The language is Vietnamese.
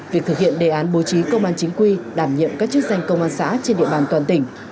việc thực hiện đề án bố trí công an chính quy đảm nhiệm các chức danh công an xã trên địa bàn toàn tỉnh